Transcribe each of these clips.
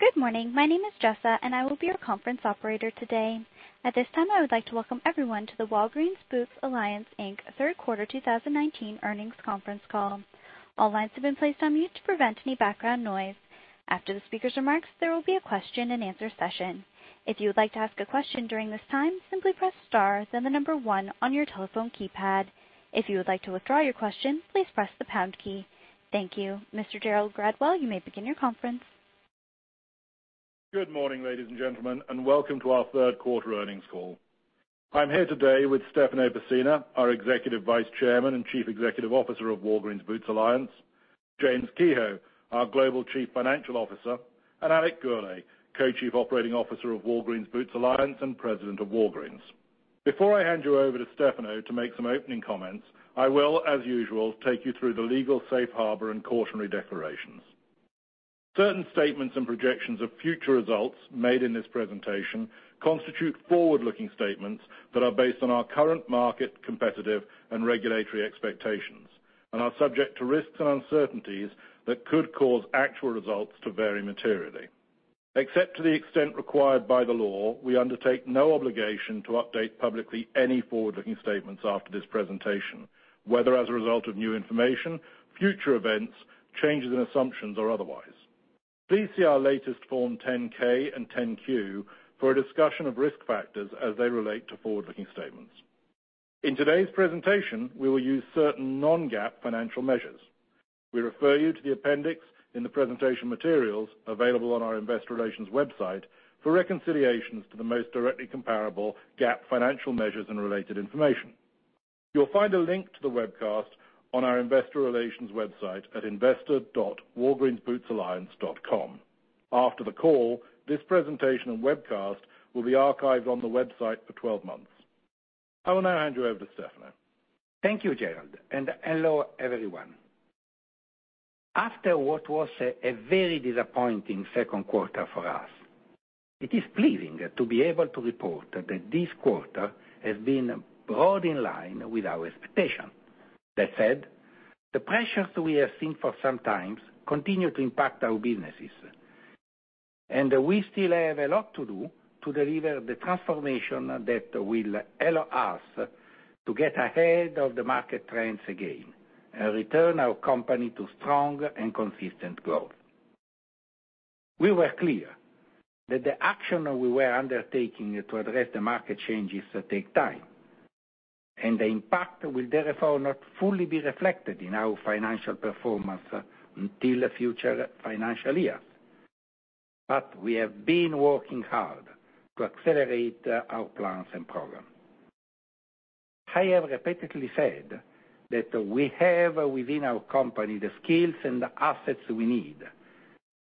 Good morning. My name is Jessa, and I will be your conference operator today. At this time, I would like to welcome everyone to the Walgreens Boots Alliance, Inc. Third Quarter 2019 Earnings Conference Call. Mr. Gerald Gradwell, you may begin your conference. Good morning, ladies and gentlemen. Welcome to our Third Quarter Earnings Call. I am here today with Stefano Pessina, our Executive Vice Chairman and Chief Executive Officer of Walgreens Boots Alliance, James Kehoe, our Global Chief Financial Officer, Alex Gourlay, Co-Chief Operating Officer of Walgreens Boots Alliance and President of Walgreens. Before I hand you over to Stefano to make some opening comments, I will, as usual, take you through the legal safe harbor and cautionary declarations. Certain statements and projections of future results made in this presentation constitute forward-looking statements that are based on our current market competitive and regulatory expectations and are subject to risks and uncertainties that could cause actual results to vary materially. Except to the extent required by the law, we undertake no obligation to update publicly any forward-looking statements after this presentation, whether as a result of new information, future events, changes in assumptions, or otherwise. Please see our latest Form 10-K and 10-Q for a discussion of risk factors as they relate to forward-looking statements. In today's presentation, we will use certain non-GAAP financial measures. We refer you to the appendix in the presentation materials available on our investor relations website for reconciliations to the most directly comparable GAAP financial measures and related information. You will find a link to the webcast on our investor relations website at investor.walgreensbootsalliance.com. After the call, this presentation and webcast will be archived on the website for 12 months. I will now hand you over to Stefano. Thank you, Gerald. Hello, everyone. After what was a very disappointing second quarter for us, it is pleasing to be able to report that this quarter has been broad in line with our expectation. That said, the pressures we have seen for some times continue to impact our businesses. We still have a lot to do to deliver the transformation that will allow us to get ahead of the market trends again and return our company to strong and consistent growth. We were clear that the action we were undertaking to address the market changes take time. The impact will therefore not fully be reflected in our financial performance until future financial years. We have been working hard to accelerate our plans and program. I have repeatedly said that we have within our company the skills and the assets we need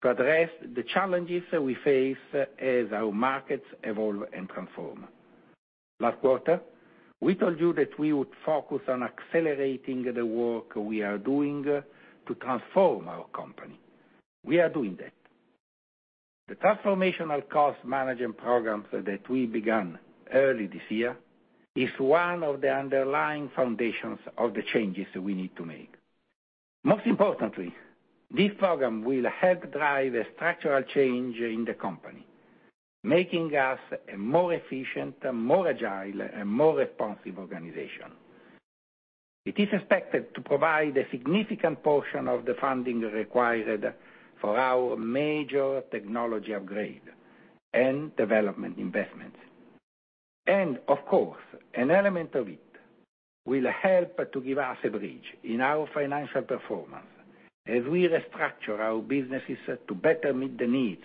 to address the challenges we face as our markets evolve and transform. Last quarter, we told you that we would focus on accelerating the work we are doing to transform our company. We are doing that. The transformational cost management programs that we began early this year is one of the underlying foundations of the changes we need to make. Most importantly, this program will help drive a structural change in the company, making us a more efficient, more agile, and more responsive organization. It is expected to provide a significant portion of the funding required for our major technology upgrade and development investments. Of course, an element of it will help to give us a bridge in our financial performance as we restructure our businesses to better meet the needs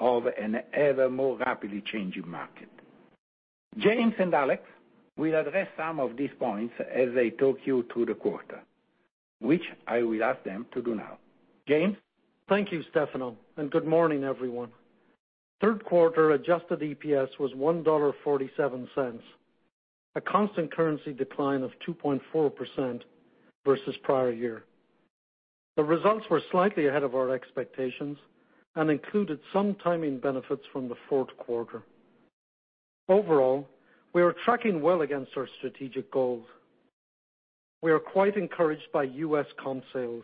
of an ever more rapidly changing market. James and Alex will address some of these points as they talk you through the quarter, which I will ask them to do now. James? Thank you, Stefano. Good morning, everyone. Third quarter adjusted EPS was $1.47, a constant currency decline of 2.4% versus prior year. The results were slightly ahead of our expectations and included some timing benefits from the fourth quarter. Overall, we are tracking well against our strategic goals. We are quite encouraged by U.S. comp sales,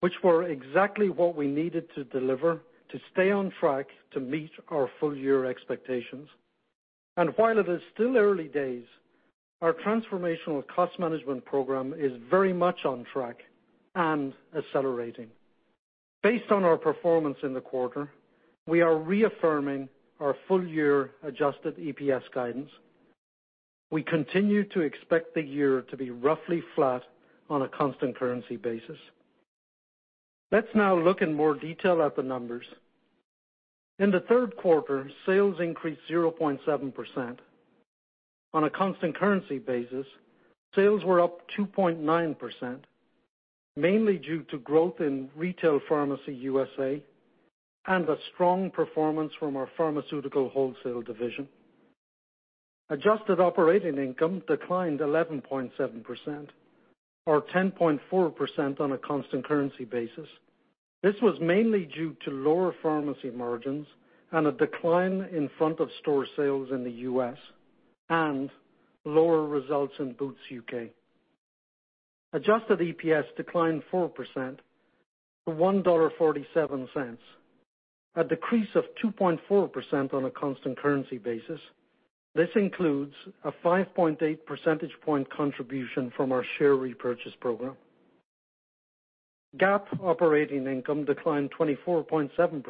which were exactly what we needed to deliver to stay on track to meet our full year expectations. While it is still early days, our transformational cost management program is very much on track and accelerating. Based on our performance in the quarter, we are reaffirming our full year adjusted EPS guidance. We continue to expect the year to be roughly flat on a constant currency basis. Let's now look in more detail at the numbers. In the third quarter, sales increased 0.7%. On a constant currency basis, sales were up 2.9%, mainly due to growth in Retail Pharmacy USA and a strong performance from our Pharmaceutical Wholesale division. Adjusted operating income declined 11.7%, or 10.4% on a constant currency basis. This was mainly due to lower pharmacy margins and a decline in front of store sales in the U.S. ,and lower results in Boots UK. Adjusted EPS declined 4% to $1.47. A decrease of 2.4% on a constant currency basis. This includes a 5.8 percentage point contribution from our share repurchase program. GAAP operating income declined 24.7%,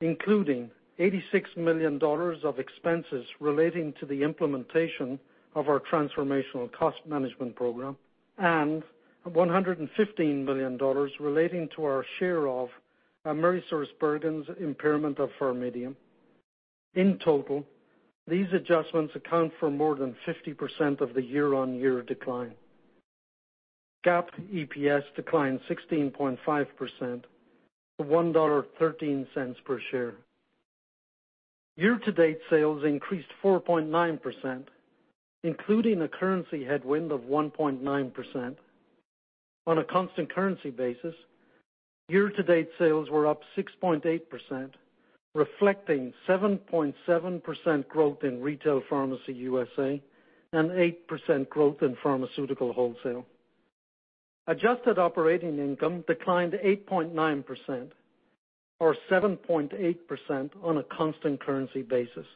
including $86 million of expenses relating to the implementation of our transformational cost management program, and $115 million relating to our share of AmerisourceBergen's impairment of PharMEDium. In total, these adjustments account for more than 50% of the year-on-year decline. GAAP EPS declined 16.5% to $1.13 per share. Year-to-date sales increased 4.9%, including a currency headwind of 1.9%. On a constant currency basis, year-to-date sales were up 6.8%, reflecting 7.7% growth in Retail Pharmacy USA, and 8% growth in Pharmaceutical Wholesale. Adjusted operating income declined 8.9%, or 7.8% on a constant currency basis.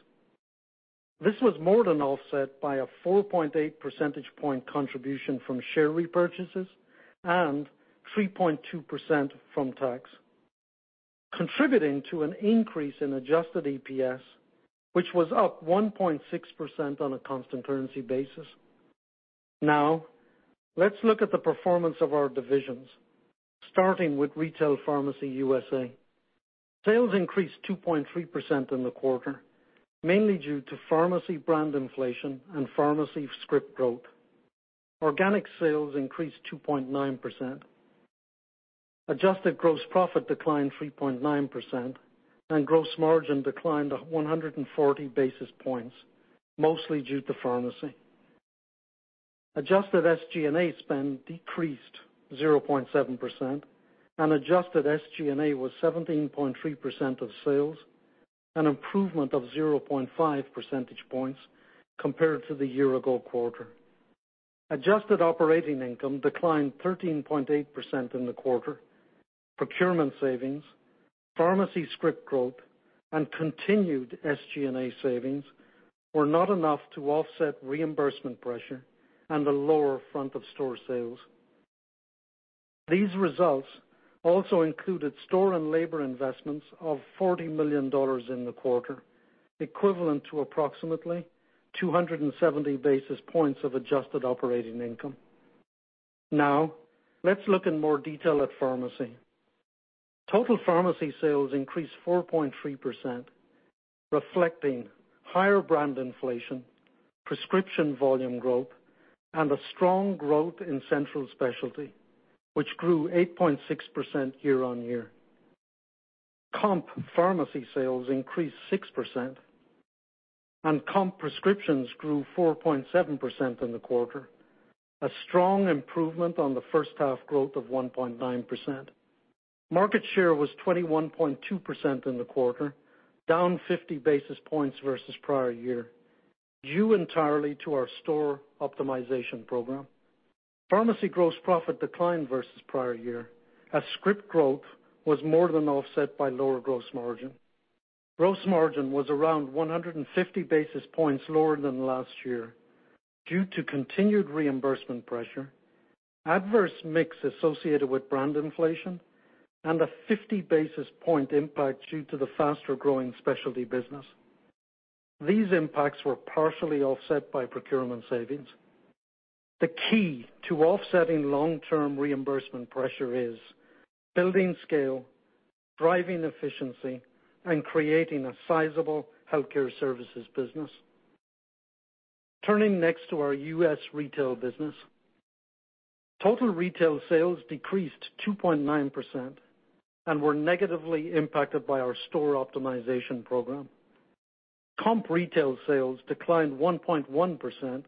This was more than offset by a 4.8 percentage point contribution from share repurchases, and 3.2% from tax, contributing to an increase in adjusted EPS, which was up 1.6% on a constant currency basis. Now, let's look at the performance of our divisions, starting with Retail Pharmacy USA. Sales increased 2.3% in the quarter, mainly due to pharmacy brand inflation and pharmacy script growth. Organic sales increased 2.9%. Adjusted gross profit declined 3.9%, and gross margin declined 140 basis points, mostly due to pharmacy. Adjusted SG&A spend decreased 0.7%, and adjusted SG&A was 17.3% of sales, an improvement of 0.5 percentage points compared to the year-ago quarter. Adjusted operating income declined 13.8% in the quarter. Procurement savings, pharmacy script growth, and continued SG&A savings were not enough to offset reimbursement pressure and the lower front of store sales. These results also included store and labor investments of $40 million in the quarter, equivalent to approximately 270 basis points of adjusted operating income. Now, let's look in more detail at pharmacy. Total pharmacy sales increased 4.3%, reflecting higher brand inflation, prescription volume growth, and a strong growth in central specialty, which grew 8.6% year-on-year. Comp pharmacy sales increased 6%, and comp prescriptions grew 4.7% in the quarter, a strong improvement on the first half growth of 1.9%. Market share was 21.2% in the quarter, down 50 basis points versus prior year, due entirely to our store optimization program. Pharmacy gross profit declined versus prior year, as script growth was more than offset by lower gross margin. Gross margin was around 150 basis points lower than last year due to continued reimbursement pressure, adverse mix associated with brand inflation, and a 50 basis point impact due to the faster-growing specialty business. These impacts were partially offset by procurement savings. The key to offsetting long-term reimbursement pressure is building scale, driving efficiency, and creating a sizable healthcare services business. Turning next to our U.S. retail business. Total retail sales decreased 2.9% and were negatively impacted by our store optimization program. Comp retail sales declined 1.1%,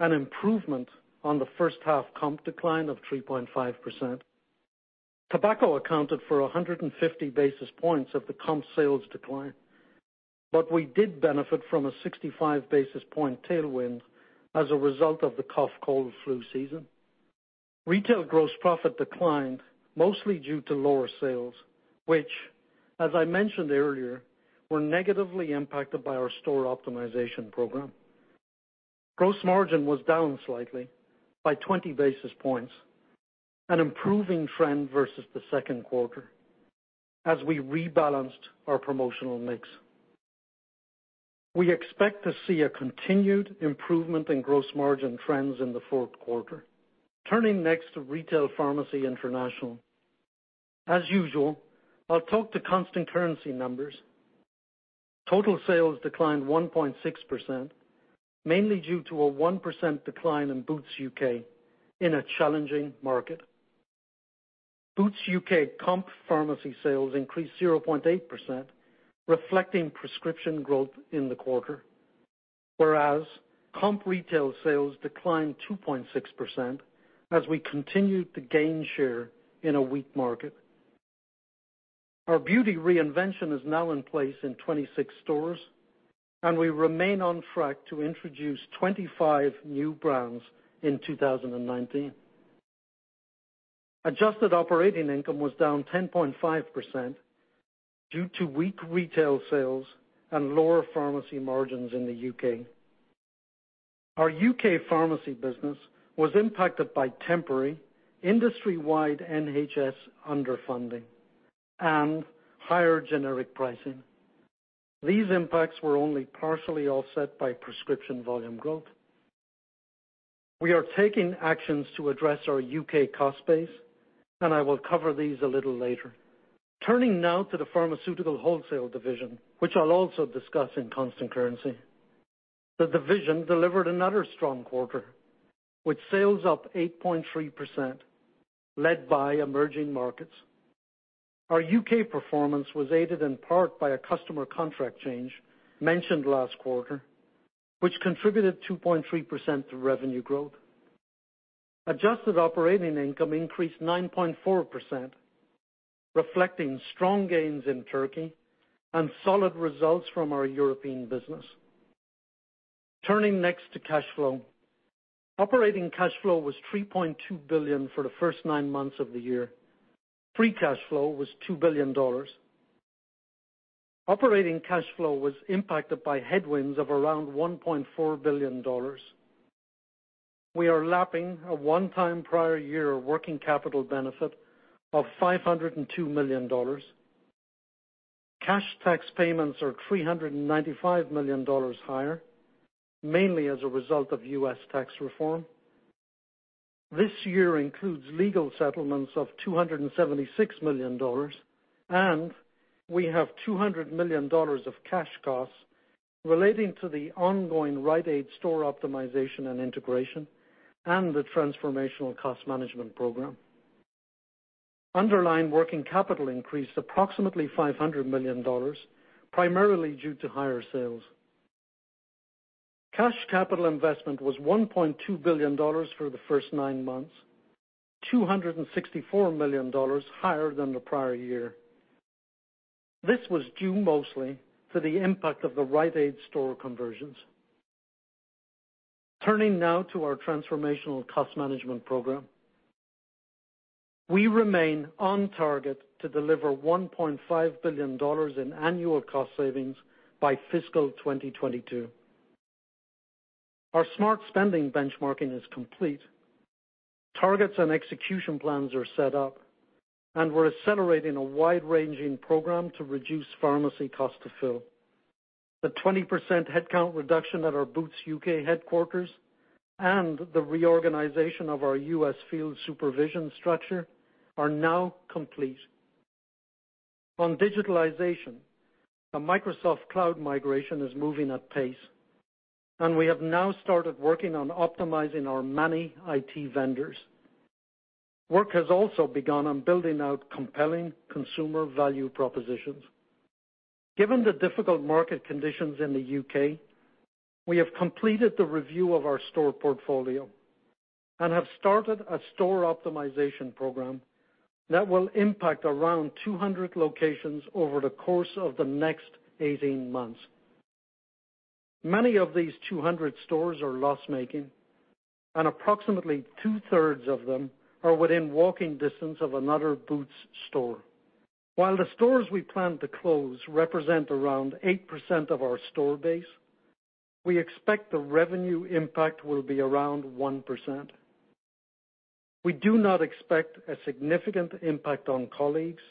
an improvement on the first half comp decline of 3.5%. Tobacco accounted for 150 basis points of the comp sales decline, but we did benefit from a 65 basis point tailwind as a result of the cough, cold, and flu season. Retail gross profit declined mostly due to lower sales, which, as I mentioned earlier, were negatively impacted by our store optimization program. Gross margin was down slightly by 20 basis points, an improving trend versus the second quarter as we rebalanced our promotional mix. We expect to see a continued improvement in gross margin trends in the fourth quarter. Turning next to Retail Pharmacy International. As usual, I'll talk to constant currency numbers. Total sales declined 1.6%, mainly due to a 1% decline in Boots UK in a challenging market. Boots UK comp pharmacy sales increased 0.8%, reflecting prescription growth in the quarter. Whereas comp retail sales declined 2.6% as we continued to gain share in a weak market. Our beauty reinvention is now in place in 26 stores, and we remain on track to introduce 25 new brands in 2019. Adjusted operating income was down 10.5% due to weak retail sales and lower pharmacy margins in the U.K. Our U.K. pharmacy business was impacted by temporary industry-wide NHS underfunding and higher generic pricing. These impacts were only partially offset by prescription volume growth. We are taking actions to address our U.K. cost base, I will cover these a little later. Turning now to the Pharmaceutical Wholesale division, which I'll also discuss in constant currency. The division delivered another strong quarter, with sales up 8.3%, led by emerging markets. Our U.K. performance was aided in part by a customer contract change mentioned last quarter, which contributed 2.3% to revenue growth. Adjusted operating income increased 9.4%, reflecting strong gains in Turkey and solid results from our European business. Turning next to cash flow. Operating cash flow was $3.2 billion for the first nine months of the year. Free cash flow was $2 billion. Operating cash flow was impacted by headwinds of around $1.4 billion. We are lapping a one-time prior year working capital benefit of $502 million. Cash tax payments are $395 million higher, mainly as a result of U.S. tax reform. This year includes legal settlements of $276 million. We have $200 million of cash costs relating to the ongoing Rite Aid store optimization and integration and the Transformational Cost Management Program. Underlying working capital increased approximately $500 million, primarily due to higher sales. Cash capital investment was $1.2 billion for the first nine months, $264 million higher than the prior year. This was due mostly to the impact of the Rite Aid store conversions. Turning now to our Transformational Cost Management Program. We remain on target to deliver $1.5 billion in annual cost savings by fiscal 2022. Our smart spending benchmarking is complete. Targets and execution plans are set up. We're accelerating a wide-ranging program to reduce pharmacy cost to fill. The 20% headcount reduction at our Boots UK headquarters and the reorganization of our U.S. field supervision structure are now complete. On digitalization, the Microsoft cloud migration is moving at pace. We have now started working on optimizing our many IT vendors. Work has also begun on building out compelling consumer value propositions. Given the difficult market conditions in the U.K., we have completed the review of our store portfolio and have started a Store Optimization Program that will impact around 200 locations over the course of the next 18 months. Many of these 200 stores are loss-making, and approximately 2/3 of them are within walking distance of another Boots store. While the stores we plan to close represent around 8% of our store base, we expect the revenue impact will be around 1%. We do not expect a significant impact on colleagues,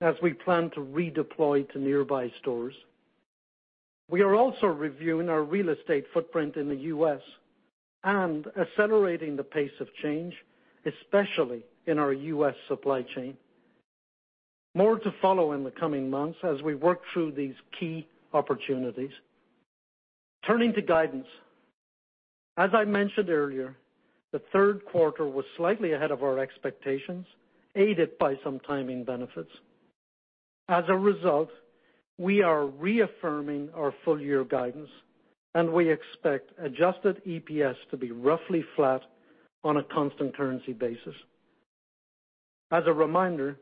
as we plan to redeploy to nearby stores. We are also reviewing our real estate footprint in the U.S. and accelerating the pace of change, especially in our U.S. supply chain. More to follow in the coming months as we work through these key opportunities. Turning to guidance. As I mentioned earlier, the third quarter was slightly ahead of our expectations, aided by some timing benefits. As a result, we are reaffirming our full-year guidance, and we expect adjusted EPS to be roughly flat on a constant currency basis. As a reminder,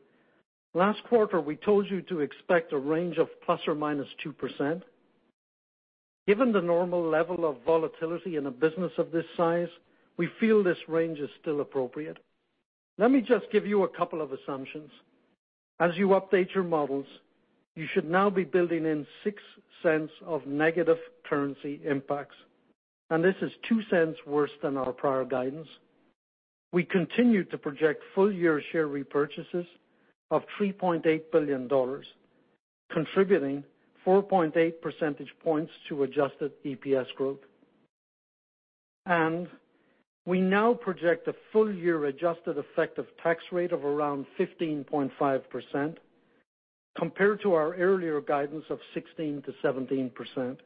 last quarter we told you to expect a range of ±2%. Given the normal level of volatility in a business of this size, we feel this range is still appropriate. Let me just give you a couple of assumptions. As you update your models, you should now be building in $0.06 of negative currency impacts, and this is $0.02 worse than our prior guidance. We continue to project full-year share repurchases of $3.8 billion, contributing 4.8 percentage points to adjusted EPS growth. We now project a full-year adjusted effective tax rate of around 15.5%, compared to our earlier guidance of 16%-17%.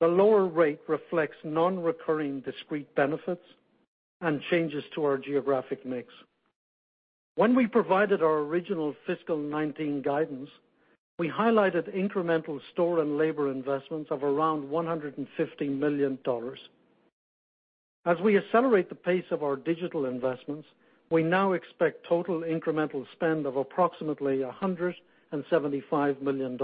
The lower rate reflects non-recurring discrete benefits and changes to our geographic mix. When we provided our original fiscal 2019 guidance, we highlighted incremental store and labor investments of around $150 million. As we accelerate the pace of our digital investments, we now expect total incremental spend of approximately $175 million,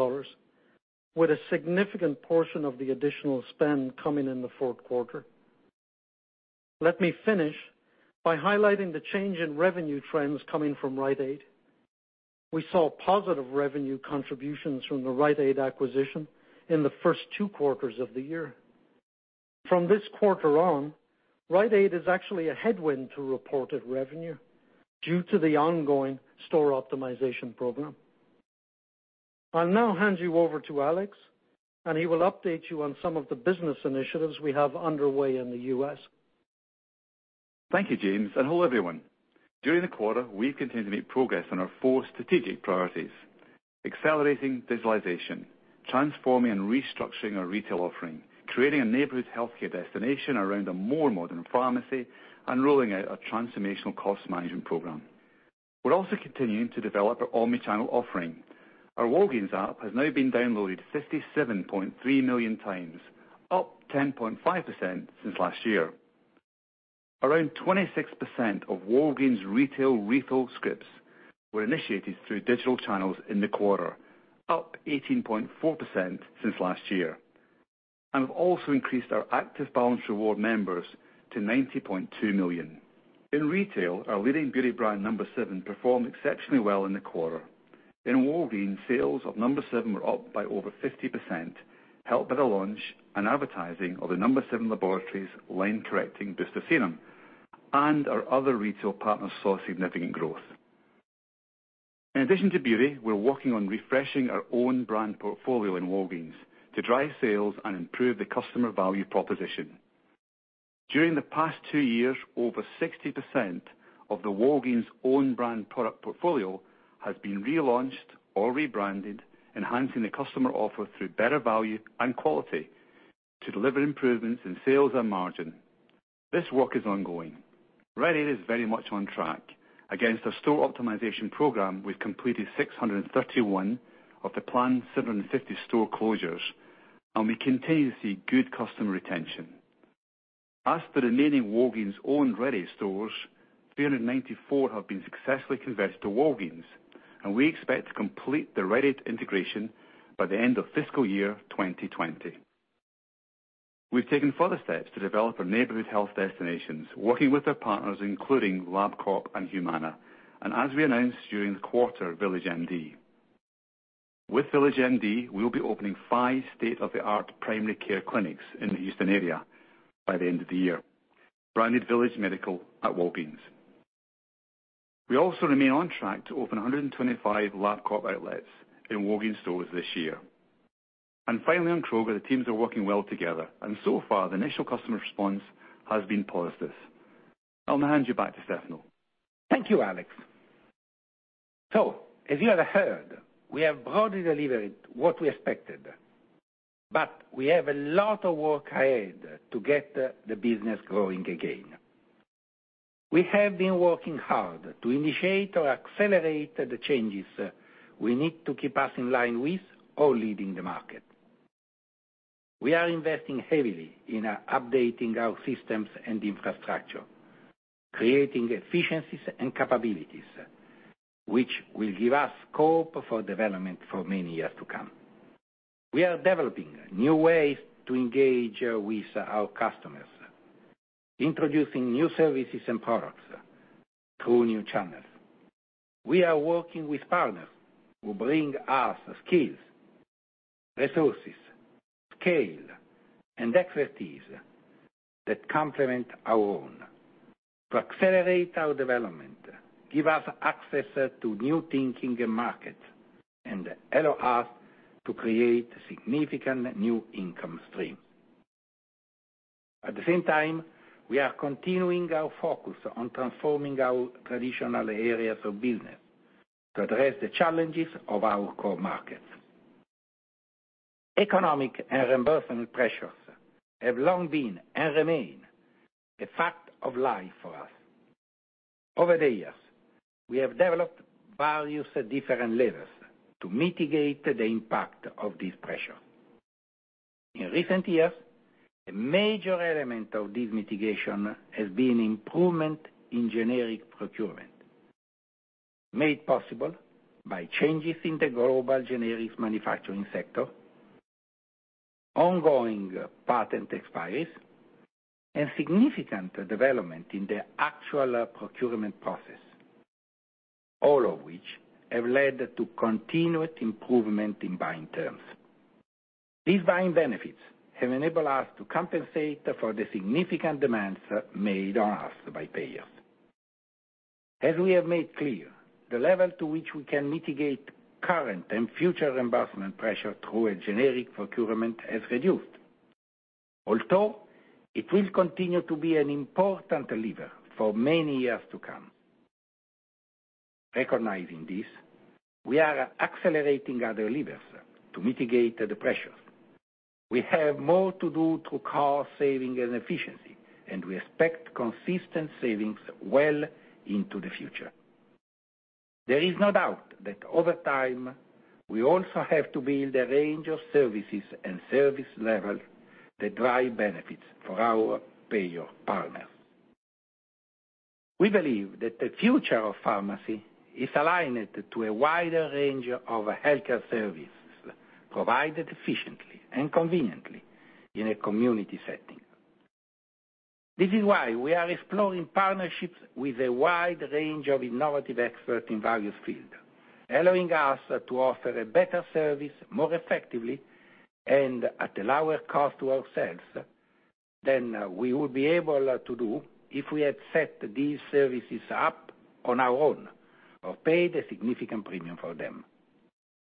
with a significant portion of the additional spend coming in the fourth quarter. Let me finish by highlighting the change in revenue trends coming from Rite Aid. We saw positive revenue contributions from the Rite Aid acquisition in the first two quarters of the year. From this quarter on, Rite Aid is actually a headwind to reported revenue due to the ongoing store optimization program. I'll now hand you over to Alex, and he will update you on some of the business initiatives we have underway in the U.S. Thank you, James, and hello, everyone. During the quarter, we've continued to make progress on our four strategic priorities: accelerating digitalization, transforming and restructuring our retail offering, creating a neighborhood healthcare destination around a more modern pharmacy, and rolling out our transformational cost management program. We're also continuing to develop our omni-channel offering. Our Walgreens app has now been downloaded 67,300,000x, up 10.5% since last year. Around 26% of Walgreens retail refill scripts were initiated through digital channels in the quarter, up 18.4% since last year. We've also increased our active Balance Rewards members to 90.2 million. In retail, our leading beauty brand, No7, performed exceptionally well in the quarter. In Walgreens, sales of No7 were up by over 50%, helped by the launch and advertising of the No7 Laboratories Line Correcting Booster Serum, and our other retail partners saw significant growth. In addition to beauty, we're working on refreshing our own brand portfolio in Walgreens to drive sales and improve the customer value proposition. During the past two years, over 60% of the Walgreens own brand product portfolio has been relaunched or rebranded, enhancing the customer offer through better value and quality to deliver improvements in sales and margin. This work is ongoing. Rite Aid is very much on track. Against our store optimization program, we've completed 631 of the planned 750 store closures, and we continue to see good customer retention. As for the remaining Walgreens-owned Rite Aid stores, 394 have been successfully converted to Walgreens, and we expect to complete the Rite Aid integration by the end of fiscal year 2020. We've taken further steps to develop our neighborhood health destinations, working with our partners, including LabCorp and Humana, and as we announced during the quarter, VillageMD. With VillageMD, we'll be opening five state-of-the-art primary care clinics in the Houston area by the end of the year, branded Village Medical at Walgreens. We also remain on track to open 125 LabCorp outlets in Walgreens stores this year. Finally, on Kroger, the teams are working well together, and so far, the initial customer response has been positive. I'll now hand you back to Stefano. Thank you, Alex. As you have heard, we have broadly delivered what we expected, but we have a lot of work ahead to get the business growing again. We have been working hard to initiate or accelerate the changes we need to keep us in line with or leading the market. We are investing heavily in updating our systems and infrastructure, creating efficiencies and capabilities, which will give us scope for development for many years to come. We are developing new ways to engage with our customers, introducing new services and products through new channels. We are working with partners who bring us skills, resources, scale, and expertise that complement our own to accelerate our development, give us access to new thinking and markets, and allow us to create significant new income streams. At the same time, we are continuing our focus on transforming our traditional areas of business to address the challenges of our core markets. Economic and reimbursement pressures have long been, and remain, a fact of life for us. Over the years, we have developed various different levers to mitigate the impact of this pressure. In recent years, a major element of this mitigation has been improvement in generic procurement, made possible by changes in the global generics manufacturing sector, ongoing patent expiries, and significant development in the actual procurement process, all of which have led to continuous improvement in buying terms. These buying benefits have enabled us to compensate for the significant demands made on us by payers. As we have made clear, the level to which we can mitigate current and future reimbursement pressure through generic procurement has reduced, although it will continue to be an important lever for many years to come. Recognizing this, we are accelerating other levers to mitigate the pressures. We have more to do through cost saving and efficiency, and we expect consistent savings well into the future. There is no doubt that over time, we also have to build a range of services and service levels that drive benefits for our payer partners. We believe that the future of pharmacy is aligned to a wider range of healthcare services provided efficiently and conveniently in a community setting. This is why we are exploring partnerships with a wide range of innovative experts in various fields, allowing us to offer a better service more effectively and at a lower cost to ourselves than we would be able to do if we had set these services up on our own or paid a significant premium for them.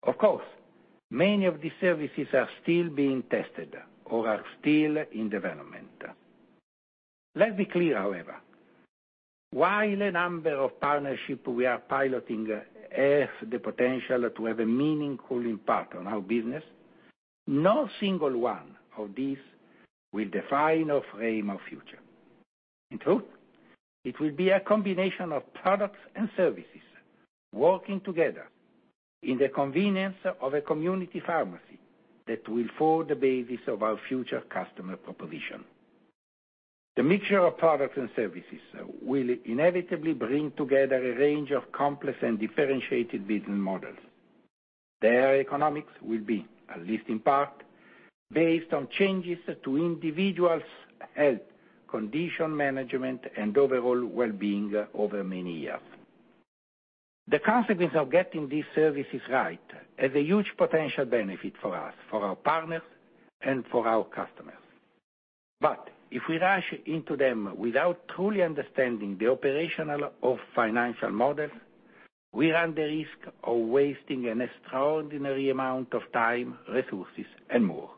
Of course, many of these services are still being tested or are still in development. Let's be clear, however, while a number of partnerships we are piloting have the potential to have a meaningful impact on our business, no single one of these will define or frame our future. In truth, it will be a combination of products and services working together in the convenience of a community pharmacy that will form the basis of our future customer proposition. The mixture of products and services will inevitably bring together a range of complex and differentiated business models. Their economics will be, at least in part, based on changes to individuals' health, condition management, and overall wellbeing over many years. The consequence of getting these services right has a huge potential benefit for us, for our partners, and for our customers. If we rush into them without truly understanding the operational or financial models, we run the risk of wasting an extraordinary amount of time, resources, and more.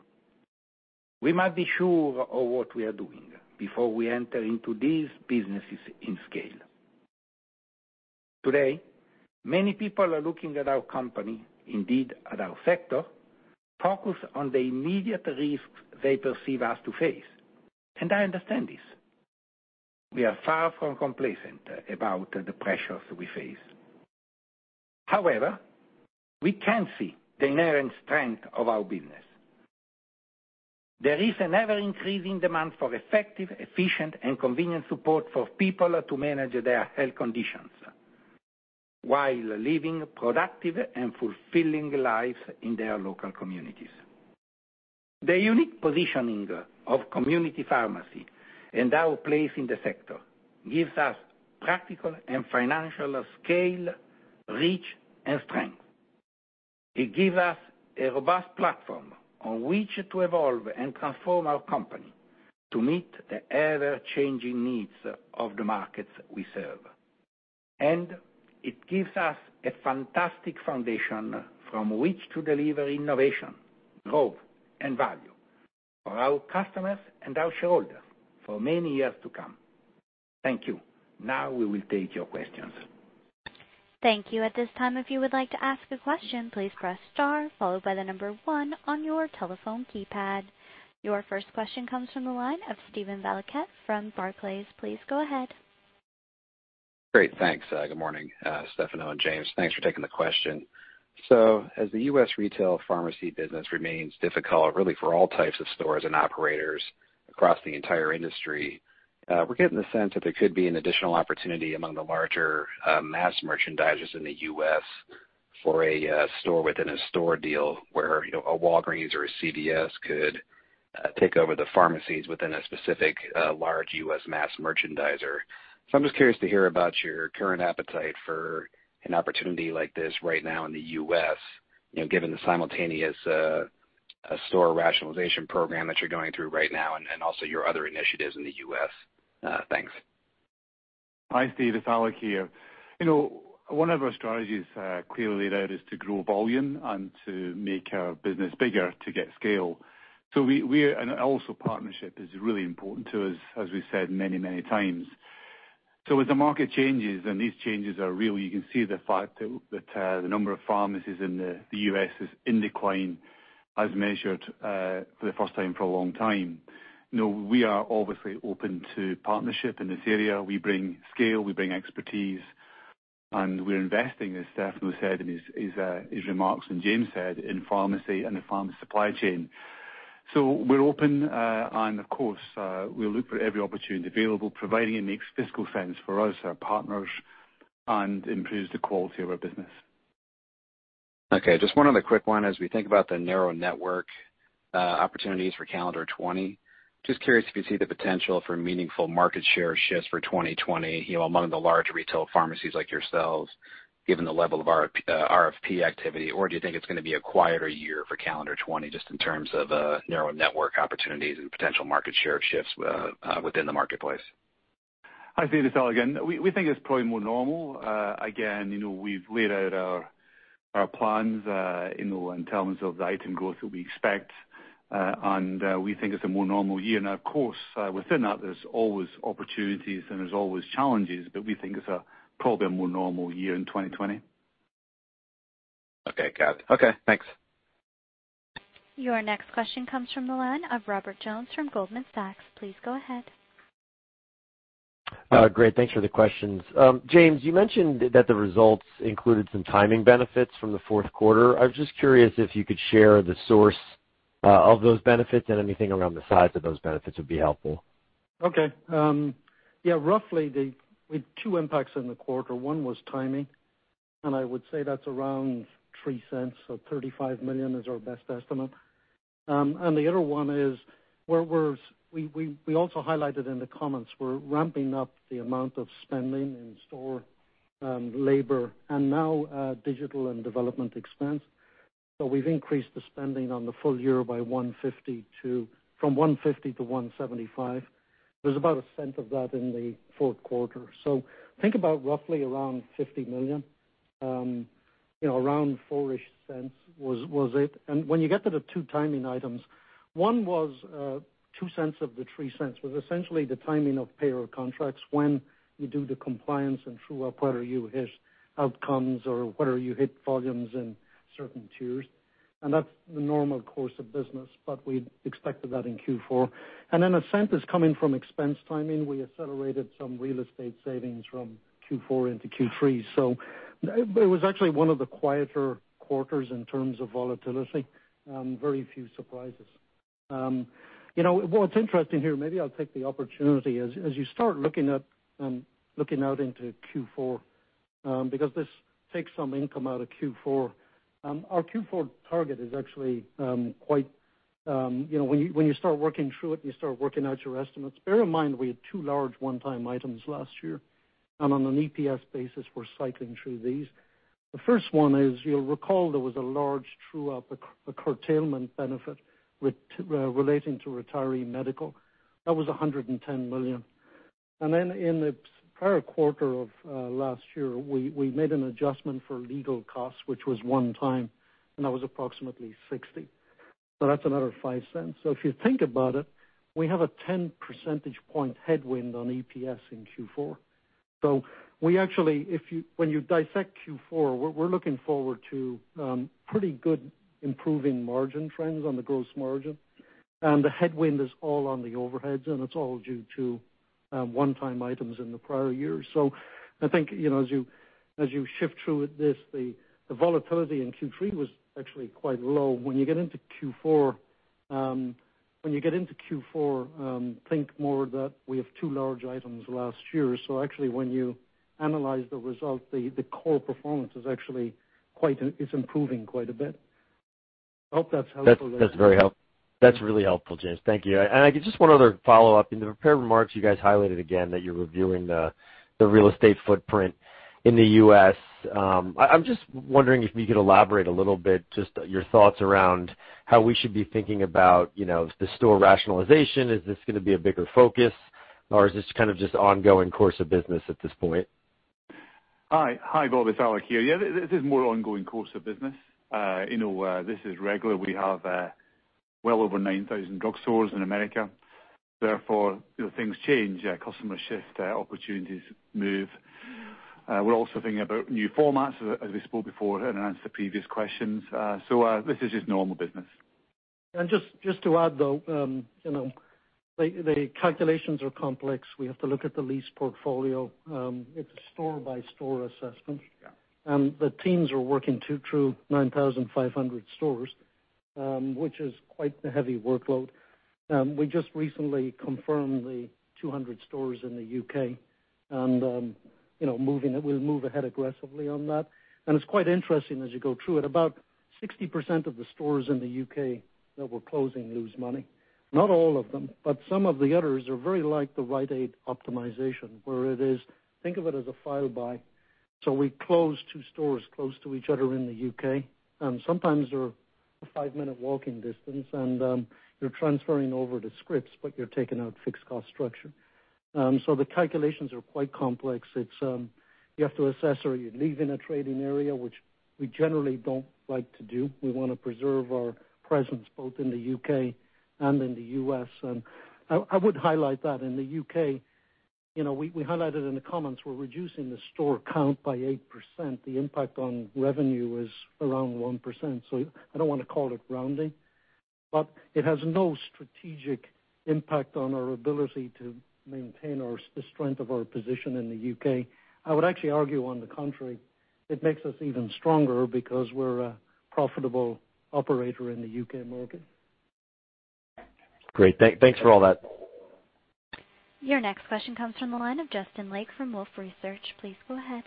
We must be sure of what we are doing before we enter into these businesses in scale. Today, many people are looking at our company, indeed at our sector, focused on the immediate risks they perceive us to face. I understand this. We are far from complacent about the pressures we face. However, we can see the inherent strength of our business. There is an ever-increasing demand for effective, efficient, and convenient support for people to manage their health conditions while living productive and fulfilling lives in their local communities. The unique positioning of community pharmacy and our place in the sector gives us practical and financial scale, reach, and strength. It gives us a robust platform on which to evolve and transform our company to meet the ever-changing needs of the markets we serve. It gives us a fantastic foundation from which to deliver innovation, growth, and value for our customers and our shareholders for many years to come. Thank you. Now we will take your questions. Thank you. Your first question comes from the line of Steven Valiquette from Barclays. Please go ahead. Great. Thanks. Good morning, Stefano and James. Thanks for taking the question. As the U.S. Retail Pharmacy business remains difficult, really for all types of stores and operators across the entire industry, we're getting the sense that there could be an additional opportunity among the larger mass merchandisers in the U.S. for a store within a store deal where a Walgreens or a CVS could take over the pharmacies within a specific large U.S. mass merchandiser. I'm just curious to hear about your current appetite for an opportunity like this right now in the U.S., given the simultaneous store rationalization program that you're going through right now and also your other initiatives in the U.S.? Thanks. Hi, Steve. It's Alex here. One of our strategies clearly laid out is to grow volume and to make our business bigger to get scale. Also partnership is really important to us, as we said many, many times. As the market changes, and these changes are real, you can see the fact that the number of pharmacies in the U.S. is in decline as measured for the first time for a long time. We are obviously open to partnership in this area. We bring scale, we bring expertise, and we're investing, as Stefano said in his remarks, and James said, in pharmacy and the pharmacy supply chain. We're open, and of course, we'll look for every opportunity available, providing it makes fiscal sense for us, our partners, and improves the quality of our business. Okay, just one other quick one. As we think about the narrow network opportunities for calendar 2020, just curious if you see the potential for meaningful market share shifts for 2020 among the large retail pharmacies like yourselves, given the level of RFP activity, or do you think it's going to be a quieter year for calendar 2020 just in terms of narrow network opportunities and potential market share shifts within the marketplace? Hi, Steve. It's Alex again. We think it's probably more normal. We've laid out our plans in terms of the item growth that we expect. We think it's a more normal year. Of course, within that, there's always opportunities and there's always challenges, but we think it's probably a more normal year in 2020. Okay, got it. Okay, thanks. Your next question comes from the line of Robert Jones from Goldman Sachs. Please go ahead. Great. Thanks for the questions. James, you mentioned that the results included some timing benefits from the fourth quarter. I was just curious if you could share the source of those benefits and anything around the size of those benefits would be helpful? Roughly, we had two impacts in the quarter. One was timing, I would say that's around $0.03. $35 million is our best estimate. The other one is, we also highlighted in the comments, we're ramping up the amount of spending in store labor and now digital and development expense. We've increased the spending on the full year from $150 - $175. There's about $0.01 of that in the fourth quarter. Think about roughly around $50 million. Around $0.04-ish was it. When you get to the two timing items, one was $0.02 of the $0.03, was essentially the timing of payroll contracts when you do the compliance and true up, whether you hit outcomes or whether you hit volumes in certain tiers, that's the normal course of business, but we expected that in Q4. Then $0.01 is coming from expense timing. We accelerated some real estate savings from Q4 into Q3. It was actually one of the quieter quarters in terms of volatility. Very few surprises. What's interesting here, maybe I'll take the opportunity, as you start looking out into Q4 because this takes some income out of Q4. Our Q4 target is actually quite. When you start working through it and you start working out your estimates, bear in mind, we had two large one-time items last year, on an EPS basis, we're cycling through these. The first one is, you'll recall there was a large true-up, a curtailment benefit relating to retiree medical. That was $110 million. Then in the prior quarter of last year, we made an adjustment for legal costs, which was one time, that was approximately $60. That's another $0.05. If you think about it, we have a 10 percentage point headwind on EPS in Q4. When you dissect Q4, we're looking forward to pretty good improving margin trends on the gross margin, the headwind is all on the overheads, it's all due to one-time items in the prior year. I think, as you shift through this, the volatility in Q3 was actually quite low. When you get into Q4, think more that we have two large items last year. Actually, when you analyze the result, the core performance is improving quite a bit. I hope that's helpful. That's really helpful, James. Thank you. Just one other follow-up. In the prepared remarks, you guys highlighted again that you're reviewing the real estate footprint in the U.S. I'm just wondering if you could elaborate a little bit, just your thoughts around how we should be thinking about the store rationalization. Is this going to be a bigger focus, or is this kind of just ongoing course of business at this point? Hi, Bob. It's Alex here. This is more ongoing course of business. This is regular. We have well over 9,000 drugstores in America. Things change. Customers shift, opportunities move. We're also thinking about new formats, as we spoke before and answered the previous questions. This is just normal business. Just to add, though, the calculations are complex. We have to look at the lease portfolio. It's a store-by-store assessment. Yeah. The teams are working through 9,500 stores, which is quite the heavy workload. We just recently confirmed the 200 stores in the U.K., we'll move ahead aggressively on that. It's quite interesting as you go through it. About 60% of the stores in the U.K. that we're closing lose money. Not all of them, but some of the others are very like the Rite Aid optimization, where it is, think of it as a file buy. We close two stores close to each other in the U.K. Sometimes they're a five-minute walking distance, you're transferring over the scripts, you're taking out fixed cost structure. The calculations are quite complex. You have to assess, are you leaving a trading area, which we generally don't like to do. We want to preserve our presence both in the U.K. and in the U.S. I would highlight that in the U.K., we highlighted in the comments, we're reducing the store count by 8%. The impact on revenue is around 1%. I don't want to call it rounding, it has no strategic impact on our ability to maintain the strength of our position in the U.K. I would actually argue, on the contrary, it makes us even stronger because we're a profitable operator in the U.K. market. Great. Thanks for all that. Your next question comes from the line of Justin Lake from Wolfe Research. Please go ahead.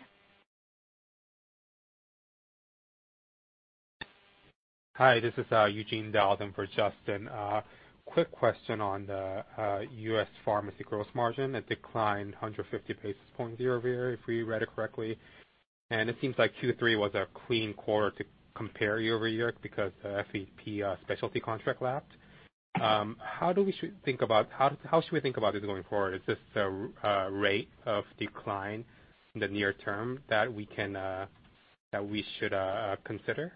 Hi, this is Eugene Donathan for Justin. Quick question on the U.S. Pharmacy gross margin. It declined 150 basis points year-over-year, if we read it correctly. It seems like Q3 was a clean quarter to compare year-over-year because the FEP specialty contract lapsed. How should we think about this going forward? Is this a rate of decline in the near term that we should consider?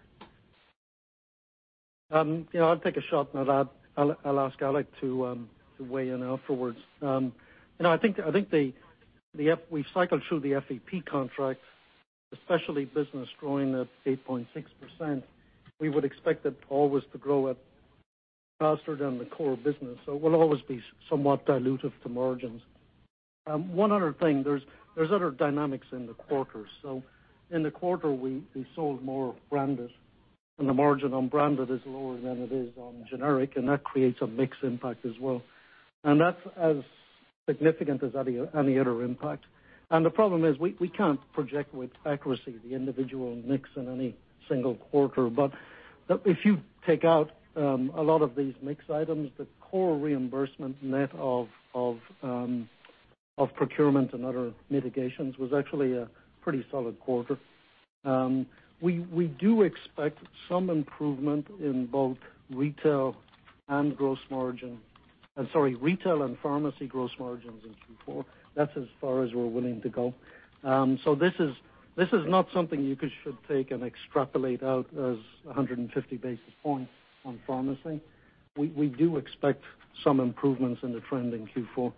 I'll take a shot and I'll ask Alex to weigh in afterwards. I think we've cycled through the FEP contract, the specialty business growing at 8.6%, we would expect it always to grow at faster than the core business. It will always be somewhat dilutive to margins. One other thing, there's other dynamics in the quarter. In the quarter, we sold more branded and the margin on branded is lower than it is on generic, and that creates a mix impact as well. That's as significant as any other impact. The problem is, we can't project with accuracy the individual mix in any single quarter. If you take out a lot of these mix items, the core reimbursement net of procurement and other mitigations was actually a pretty solid quarter. We do expect some improvement in both retail and pharmacy gross margins in Q4. That's as far as we're willing to go. This is not something you should take and extrapolate out as 150 basis points on pharmacy. We do expect some improvements in the trend in Q4,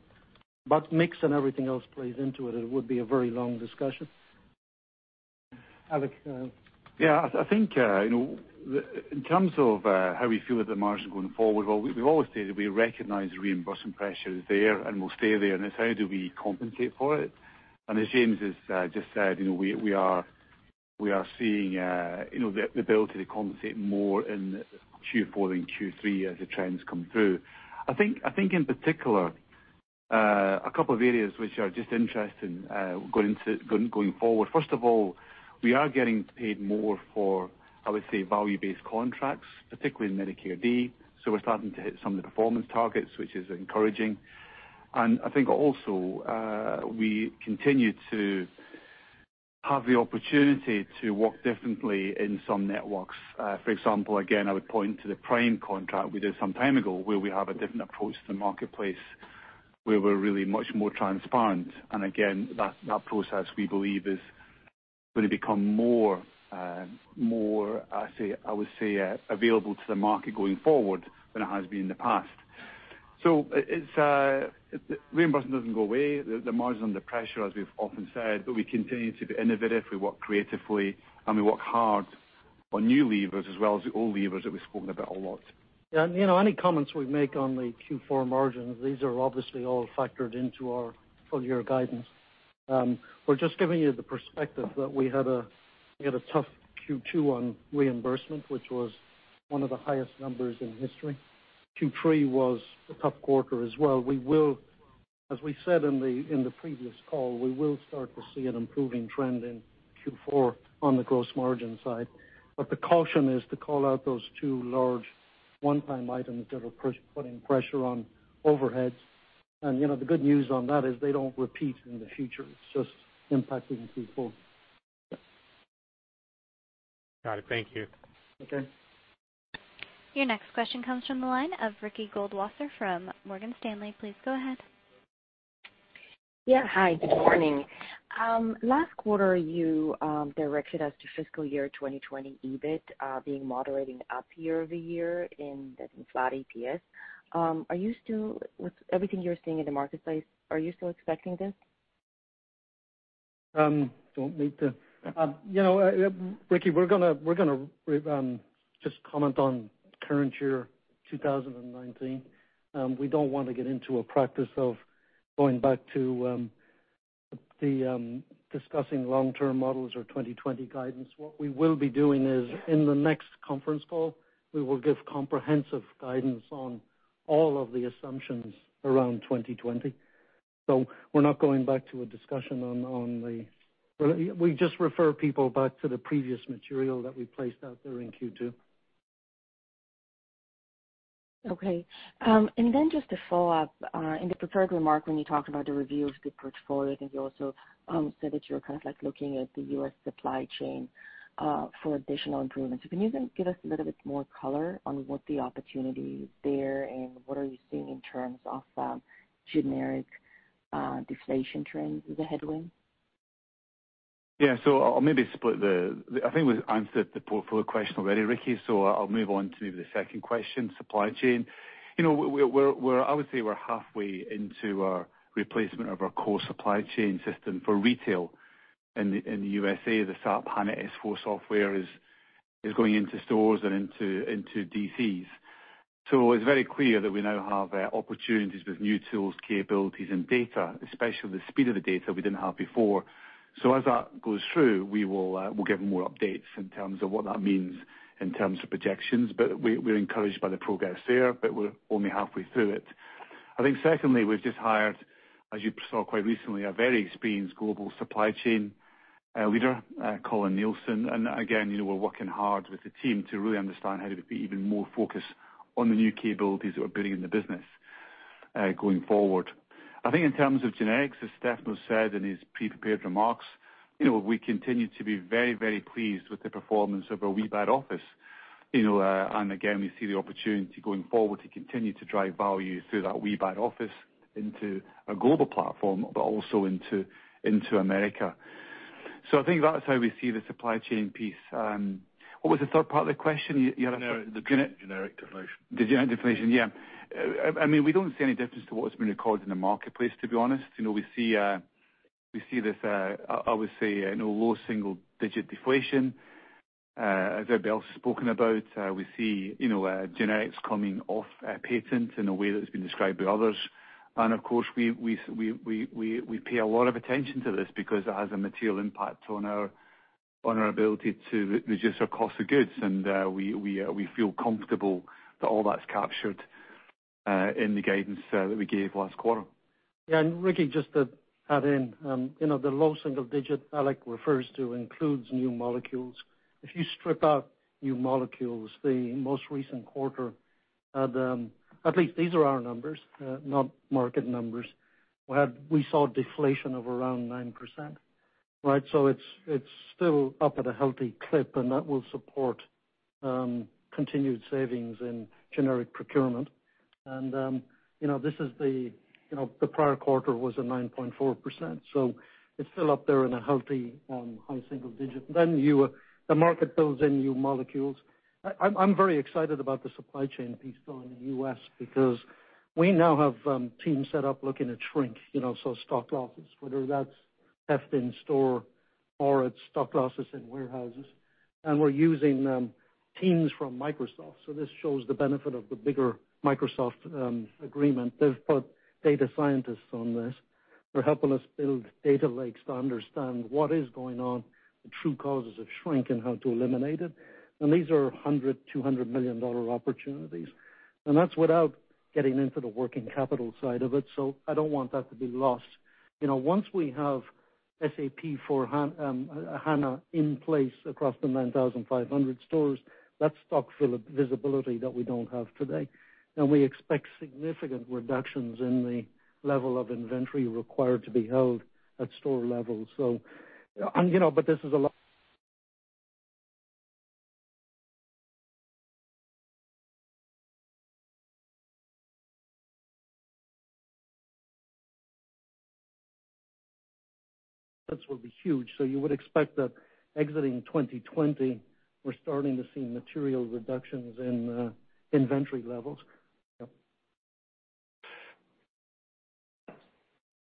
but mix and everything else plays into it, and it would be a very long discussion. Alex? I think, in terms of how we feel that the margin is going forward, we always say that we recognize reimbursement pressure is there and will stay there, and it's how do we compensate for it. As James has just said, we are seeing the ability to compensate more in Q4 than Q3 as the trends come through. I think, in particular, a couple of areas which are just interesting going forward. First of all, we are getting paid more for, I would say, value-based contracts, particularly in Medicare Part D. We're starting to hit some of the performance targets, which is encouraging. I think also, we continue to have the opportunity to work differently in some networks. For example, again, I would point to the Prime contract we did some time ago where we have a different approach to the marketplace, where we're really much more transparent. Again, that process, we believe, is going to become more, I would say, available to the market going forward than it has been in the past. Reimbursement doesn't go away. The margin's under pressure, as we've often said, but we continue to be innovative, we work creatively, and we work hard on new levers as well as the old levers that we've spoken about a lot. Any comments we make on the Q4 margins, these are obviously all factored into our full-year guidance. We're just giving you the perspective that we had a tough Q2 on reimbursement, which was one of the highest numbers in history. Q3 was a tough quarter as well. As we said in the previous call, we will start to see an improving trend in Q4 on the gross margin side. The caution is to call out those two large one-time items that are putting pressure on overheads. The good news on that is they don't repeat in the future. It's just impacting Q4. Got it. Thank you. Okay. Your next question comes from the line of Ricky Goldwasser from Morgan Stanley. Please go ahead. Yeah. Hi. Good morning. Last quarter you directed us to fiscal year 2020 EBIT being moderating up year-over-year in flat EPS. With everything you're seeing in the marketplace, are you still expecting this? Ricky, we're going to just comment on current year 2019. We don't want to get into a practice of going back to discussing long-term models or 2020 guidance. What we will be doing is in the next conference call, we will give comprehensive guidance on all of the assumptions around 2020. We're not going back to a discussion. We just refer people back to the previous material that we placed out there in Q2. Okay. Just a follow-up. In the prepared remark, when you talked about the review of the portfolio, I think you also said that you were looking at the U.S. supply chain for additional improvements. Can you then give us a little bit more color on what the opportunity there and what are you seeing in terms of generic deflation trends as a headwind? Yeah. I'll maybe split the I think we answered the portfolio question already, Ricky, I'll move on to maybe the second question, supply chain. I would say we're halfway into our replacement of our core supply chain system for retail in the USA. The SAP S/4HANA software is going into stores and into DCs. It's very clear that we now have opportunities with new tools, capabilities, and data, especially the speed of the data we didn't have before. As that goes through, we'll give more updates in terms of what that means in terms of projections. We're encouraged by the progress there, but we're only halfway through it. I think secondly, we've just hired, as you saw quite recently, a very experienced global supply chain leader, Colin Nelson. Again, we're working hard with the team to really understand how to be even more focused on the new capabilities that we're building in the business going forward. I think in terms of generics, as Stefano said in his pre-prepared remarks, we continue to be very pleased with the performance of our WBAD office. Again, we see the opportunity going forward to continue to drive value through that WBAD office into a global platform, but also into America. I think that's how we see the supply chain piece. What was the third part of the question? You asked- The generic deflation. The generic deflation. Yeah. We don't see any difference to what's been recorded in the marketplace, to be honest. We see this, I would say, low single-digit deflation. As everybody else has spoken about, we see generics coming off patent in a way that's been described by others. Of course, we pay a lot of attention to this because it has a material impact on our ability to reduce our cost of goods. We feel comfortable that all that's captured in the guidance that we gave last quarter. Yeah. Ricky, just to add in. The low single digit Alex refers to includes new molecules. If you strip out new molecules, the most recent quarter, at least these are our numbers, not market numbers. We saw deflation of around 9%. It's still up at a healthy clip, and that will support continued savings in generic procurement. The prior quarter was at 9.4%, so it's still up there in a healthy, high single digit. The market builds in new molecules. I'm very excited about the supply chain piece going in the U.S. because we now have teams set up looking at shrink, so stock losses, whether that's theft in store or it's stock losses in warehouses, and we're using Microsoft Teams. This shows the benefit of the bigger Microsoft agreement. They've put data scientists on this. They're helping us build data lakes to understand what is going on, the true causes of shrink, and how to eliminate it. These are $100 million, $200 million opportunities, and that's without getting into the working capital side of it. I don't want that to be lost. Once we have SAP S/4HANA in place across the 9,500 stores, that's stock visibility that we don't have today. We expect significant reductions in the level of inventory required to be held at store level. This is a lot will be huge. You would expect that exiting 2020, we're starting to see material reductions in inventory levels.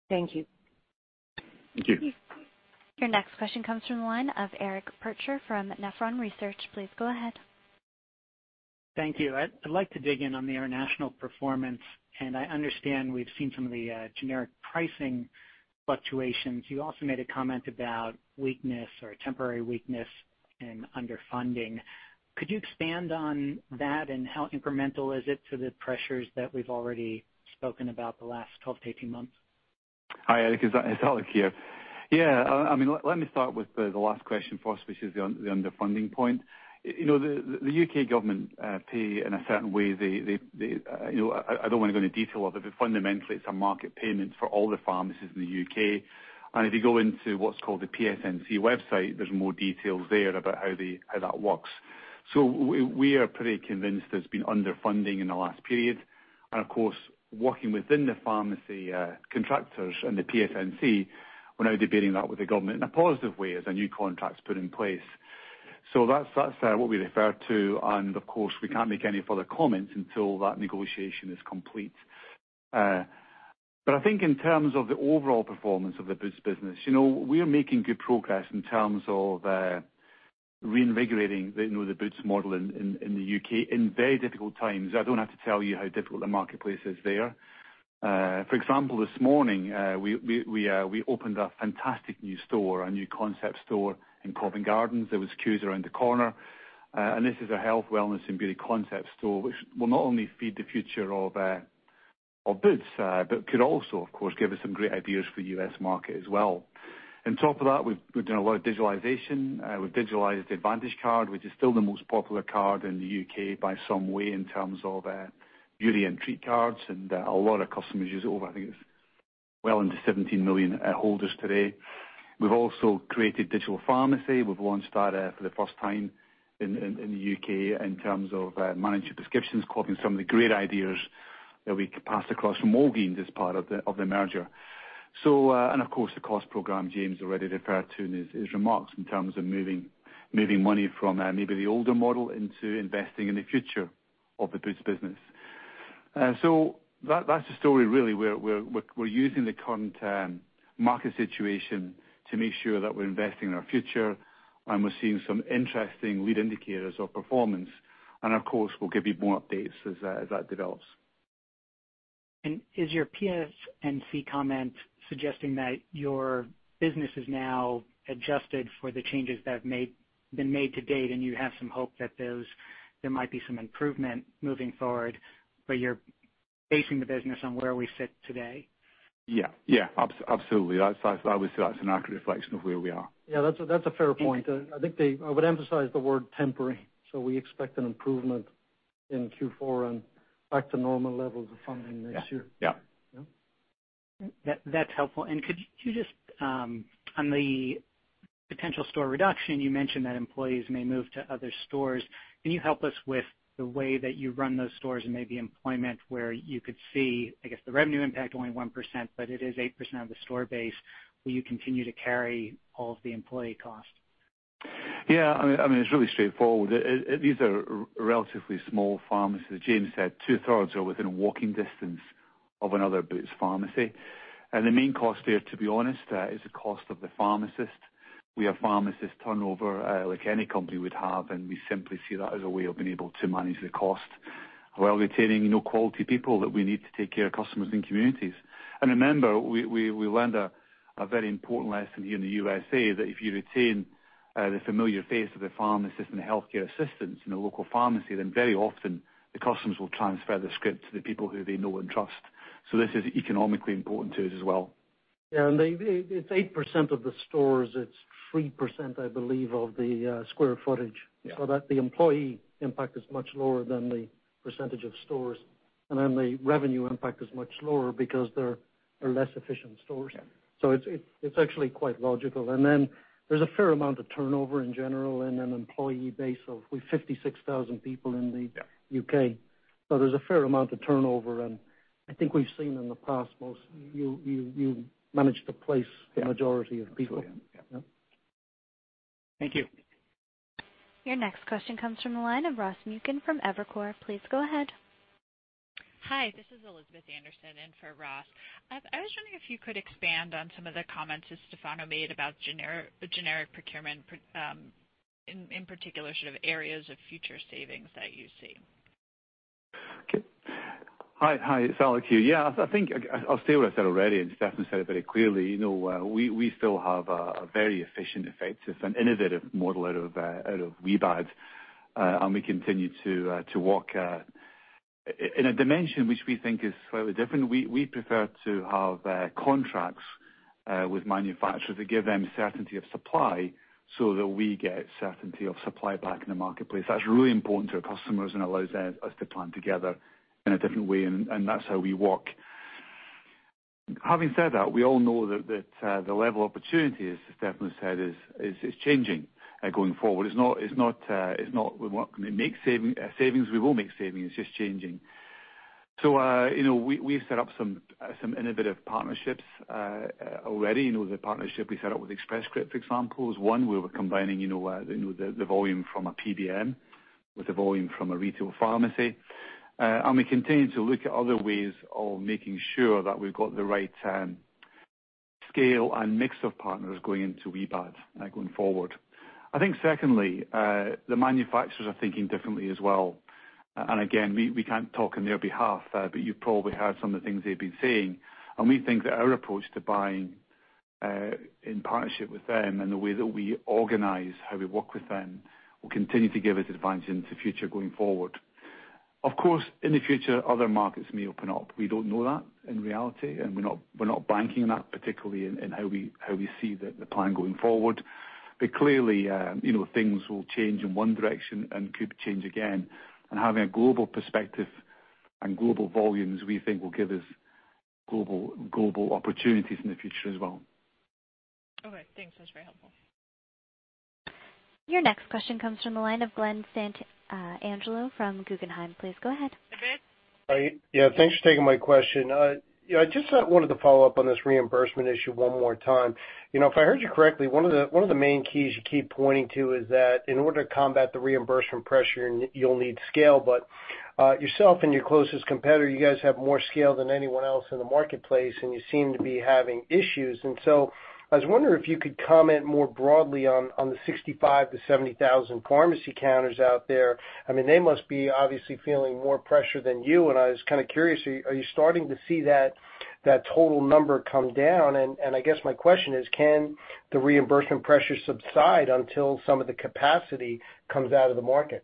Thank you. Thank you. Your next question comes from the line of Eric Percher from Nephron Research. Please go ahead. Thank you. I'd like to dig in on the international performance. I understand we've seen some of the generic pricing fluctuations. You also made a comment about weakness or temporary weakness in underfunding. Could you expand on that, and how incremental is it to the pressures that we've already spoken about the last 12-18 months? Hi, Eric. It's Alex here. Let me start with the last question first, which is the underfunding point. The U.K. government pay in a certain way. I don't want to go into detail of it, but fundamentally it's a market payment for all the pharmacies in the U.K. If you go into what's called the PSNC website, there's more details there about how that works. We are pretty convinced there's been underfunding in the last period. Of course, working within the pharmacy contractors and the PSNC, we're now debating that with the government in a positive way as a new contract's put in place. That's what we refer to. Of course, we can't make any further comments until that negotiation is complete. I think in terms of the overall performance of the Boots business, we are making good progress in terms of reinvigorating the Boots model in the U.K. in very difficult times. I don't have to tell you how difficult the marketplace is there. For example, this morning we opened a fantastic new store, a new concept store in Covent Garden. There was queues around the corner. This is a health, wellness, and beauty concept store, which will not only feed the future of Boots but could also, of course, give us some great ideas for the U.S. market as well. On top of that, we've done a lot of digitalization. We've digitalized the Advantage Card, which is still the most popular card in the U.K. by some way in terms of beauty and treat cards, and a lot of customers use it. I think it's well into 17 million holders today. We've also created digital pharmacy. We've launched that for the first time in the U.K. in terms of managing prescriptions, copying some of the great ideas that we could pass across from Walgreens as part of the merger. Of course, the cost program James already referred to in his remarks in terms of moving money from maybe the older model into investing in the future of the Boots business. That's the story, really. We're using the current market situation to make sure that we're investing in our future, and we're seeing some interesting lead indicators of performance. Of course, we'll give you more updates as that develops. Is your PSNC comment suggesting that your business is now adjusted for the changes that have been made to date, and you have some hope that there might be some improvement moving forward, but you're basing the business on where we sit today? Yeah. Absolutely. I would say that's an accurate reflection of where we are. Yeah, that's a fair point. I would emphasize the word temporary. We expect an improvement in Q4 and back to normal levels of funding next year. Yeah. Yeah. That's helpful. Could you just, on the potential store reduction, you mentioned that employees may move to other stores. Can you help us with the way that you run those stores and maybe employment where you could see, I guess the revenue impact only 1%, but it is 8% of the store base. Will you continue to carry all of the employee costs? Yeah. It's really straightforward. These are relatively small pharmacies. James said 2/3 are within walking distance of another Boots pharmacy. The main cost there, to be honest, is the cost of the pharmacist. We have pharmacist turnover like any company would have, and we simply see that as a way of being able to manage the cost while retaining quality people that we need to take care of customers and communities. Remember, we learned a very important lesson here in the U.S.A. that if you retain the familiar face of the pharmacist and the healthcare assistants in a local pharmacy, then very often the customers will transfer the script to the people who they know and trust. This is economically important to us as well. Yeah. It's 8% of the stores. It's 3%, I believe, of the square footage. Yeah. That the employee impact is much lower than the percentage of stores. The revenue impact is much lower because they're less efficient stores. Yeah. It's actually quite logical. There's a fair amount of turnover in general in an employee base of 56,000 people in the- Yeah U.K. There's a fair amount of turnover, and I think we've seen in the past, you manage to place- Yeah the majority of people. Absolutely. Yeah. Yeah. Thank you. Your next question comes from the line of Ross Muken from Evercore. Please go ahead. Hi, this is Elizabeth Anderson in for Ross. I was wondering if you could expand on some of the comments that Stefano made about generic procurement, in particular, areas of future savings that you see? Okay. Hi, it's Alex here. Yeah, I think I'll say what I said already. Stefano said it very clearly. We still have a very efficient, effective, and innovative model out of WBAD. We continue to work in a dimension which we think is slightly different. We prefer to have contracts with manufacturers that give them certainty of supply so that we get certainty of supply back in the marketplace. That's really important to our customers and allows us to plan together in a different way, and that's how we work. Having said that, we all know that the level of opportunity, as Stefano said, is changing going forward. We want to make savings. We will make savings. It's just changing. We've set up some innovative partnerships already. The partnership we set up with Express Scripts, for example, is one where we're combining the volume from a PBM with the volume from a retail pharmacy. We continue to look at other ways of making sure that we've got the right scale and mix of partners going into WBAD going forward. I think secondly, the manufacturers are thinking differently as well. Again, we can't talk on their behalf, but you've probably heard some of the things they've been saying. We think that our approach to buying in partnership with them and the way that we organize how we work with them will continue to give us advantage into future going forward. Of course, in the future, other markets may open up. We don't know that in reality, and we're not banking on that particularly in how we see the plan going forward. Clearly, things will change in one direction and could change again. Having a global perspective and global volumes, we think will give us global opportunities in the future as well. Okay, thanks. That's very helpful. Your next question comes from the line of Glen Santangelo from Guggenheim. Please go ahead. Yeah, thanks for taking my question. I just wanted to follow up on this reimbursement issue one more time. If I heard you correctly, one of the main keys you keep pointing to is that in order to combat the reimbursement pressure, you'll need scale. Yourself and your closest competitor, you guys have more scale than anyone else in the marketplace, and you seem to be having issues. I was wondering if you could comment more broadly on the 65,000 - 70,000 pharmacy counters out there. They must be obviously feeling more pressure than you, and I was kind of curious, are you starting to see that total number come down? I guess my question is, can the reimbursement pressure subside until some of the capacity comes out of the market?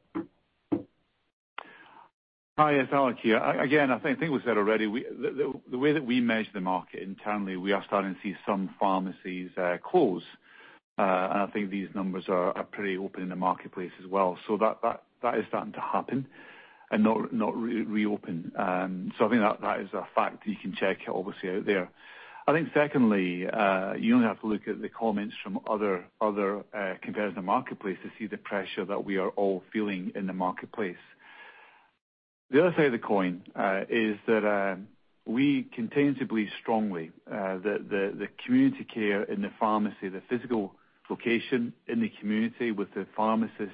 Hi, it's Alex here. Again, I think it was said already. The way that we measure the market internally, we are starting to see some pharmacies close. I think these numbers are pretty open in the marketplace as well. That is starting to happen and not reopen. I think that is a fact you can check, obviously, out there. I think secondly, you only have to look at the comments from other competitors in the marketplace to see the pressure that we are all feeling in the marketplace. The other side of the coin is that we continue to believe strongly that the community care in the pharmacy, the physical location in the community with the pharmacist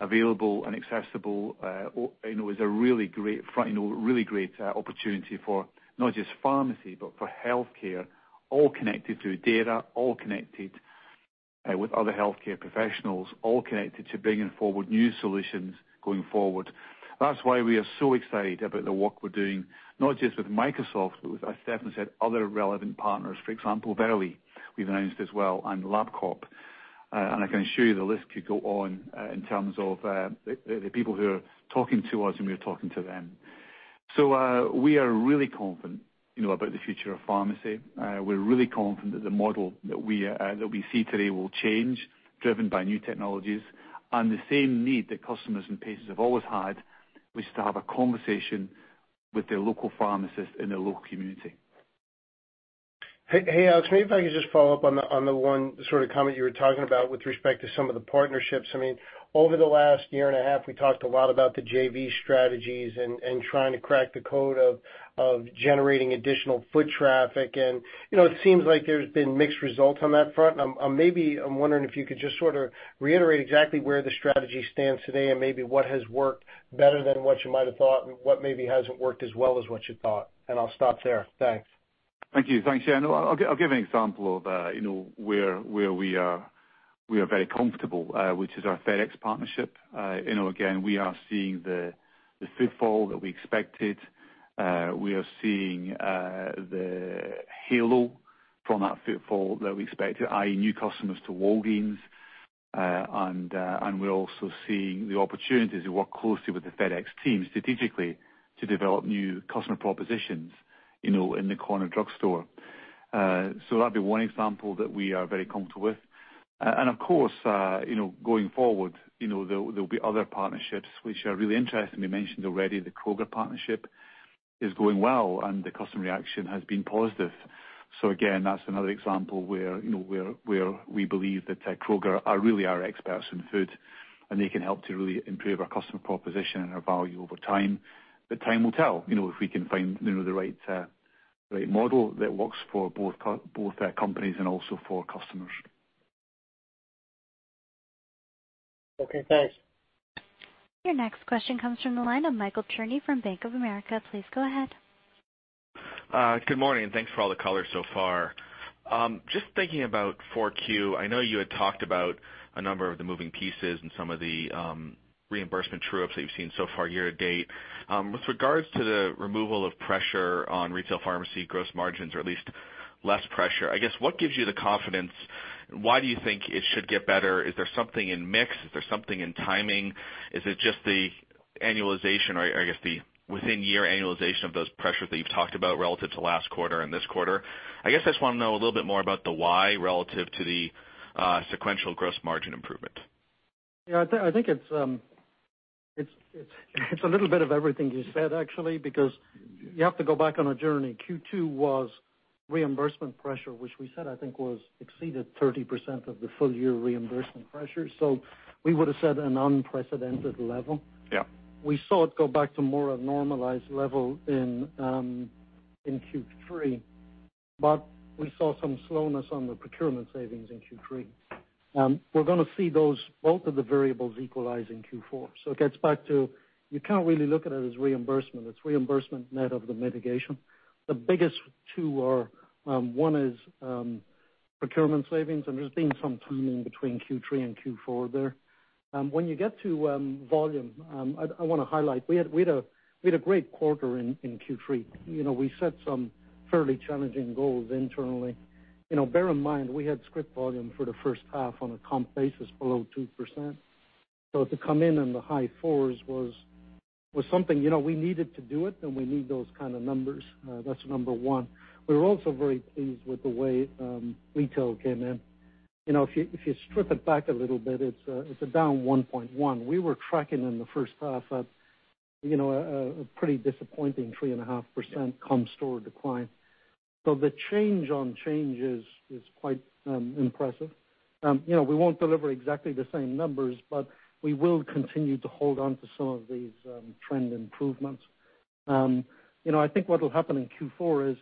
available and accessible is a really great opportunity for not just pharmacy, but for healthcare, all connected through data, all connected with other healthcare professionals, all connected to bringing forward new solutions going forward. That's why we are so excited about the work we're doing, not just with Microsoft, but as Stefano said, other relevant partners. For example, Verily, we've announced as well, and LabCorp. I can assure you the list could go on in terms of the people who are talking to us and we are talking to them. We are really confident about the future of pharmacy. We're really confident that the model that we see today will change, driven by new technologies, and the same need that customers and patients have always had, which is to have a conversation with their local pharmacist in their local community. Hey, Alex, maybe if I could just follow up on the one sort of comment you were talking about with respect to some of the partnerships. Over the last year and a half, we talked a lot about the JV strategies and trying to crack the code of generating additional foot traffic. It seems like there's been mixed results on that front. Maybe I'm wondering if you could just sort of reiterate exactly where the strategy stands today and maybe what has worked better than what you might've thought and what maybe hasn't worked as well as what you thought? I'll stop there. Thanks. Thank you. I'll give an example of where we are very comfortable, which is our FedEx partnership. Again, we are seeing the footfall that we expected. We are seeing the halo from that footfall that we expected, i.e., new customers to Walgreens. We're also seeing the opportunities to work closely with the FedEx team strategically to develop new customer propositions in the corner drugstore. That'd be one example that we are very comfortable with. Of course, going forward, there'll be other partnerships which are really interesting. We mentioned already the Kroger partnership is going well, the customer reaction has been positive. Again, that's another example where we believe that Kroger are really our experts in food, and they can help to really improve our customer proposition and our value over time. Time will tell if we can find the right model that works for both companies and also for customers. Okay, thanks. Your next question comes from the line of Michael Cherny from Bank of America. Please go ahead. Good morning, thanks for all the color so far. Just thinking about 4Q, I know you had talked about a number of the moving pieces and some of the reimbursement true-ups that you've seen so far year-to-date. With regards to the removal of pressure on retail pharmacy gross margins, or at least less pressure, I guess, what gives you the confidence? Why do you think it should get better? Is there something in mix? Is there something in timing? Is it just the annualization or, I guess, the within-year annualization of those pressures that you've talked about relative to last quarter and this quarter? I guess I just want to know a little bit more about the why relative to the sequential gross margin improvement. Yeah, I think it's a little bit of everything you said, actually, because you have to go back on a journey. Q2 was reimbursement pressure, which we said, I think exceeded 30% of the full-year reimbursement pressure. We would've said an unprecedented level. Yeah. We saw it go back to more of a normalized level in Q3, but we saw some slowness on the procurement savings in Q3. We're going to see both of the variables equalize in Q4. It gets back to, you can't really look at it as reimbursement. It's reimbursement net of the mitigation. The biggest two are, one is procurement savings, and there's been some tuning between Q3 and Q4 there. When you get to volume, I want to highlight, we had a great quarter in Q3. We set some fairly challenging goals internally. Bear in mind, we had script volume for the first half on a comp basis below 2%. To come in in the high fours was something. We needed to do it, and we need those kind of numbers. That's number one. We were also very pleased with the way retail came in. If you strip it back a little bit, it's down 1.1%. We were tracking in the first half at a pretty disappointing 3.5% comp store decline. The change on change is quite impressive. We won't deliver exactly the same numbers, but we will continue to hold on to some of these trend improvements. I think what'll happen in Q4 is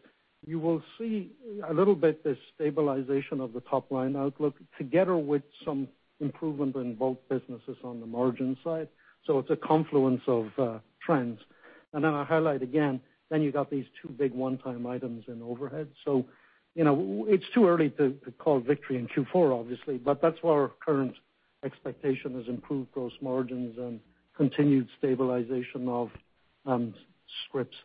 you will see a little bit the stabilization of the top-line outlook together with some improvement in both businesses on the margin side. It's a confluence of trends. I highlight again, you've got these two big one-time items in overhead. It's too early to call victory in Q4, obviously, but that's our current expectation is improved gross margins and continued stabilization of scripts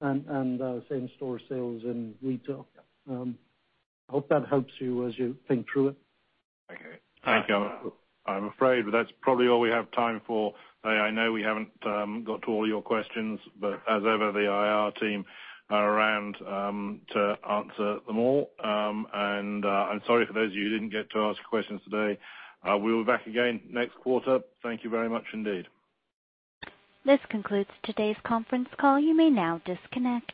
and same store sales in retail. I hope that helps you as you think through it. Okay. Thank you. I'm afraid that's probably all we have time for. I know we haven't got to all your questions, but as ever, the IR team are around to answer them all. I'm sorry for those of you who didn't get to ask questions today. We'll be back again next quarter. Thank you very much indeed. This concludes today's conference call. You may now disconnect.